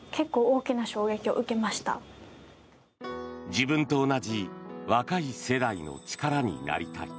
自分と同じ若い世代の力になりたい。